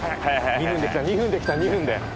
２分で来た２分で来た２分で。